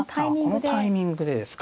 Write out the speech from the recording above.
このタイミングでですか。